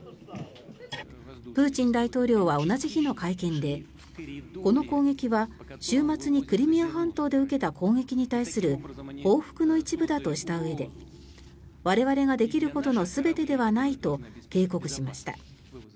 プーチン大統領は同じ日の会見でこの攻撃は週末にクリミア半島で受けた攻撃に対する報復の一部だとしたうえで我々ができることの全てではないと警告しました。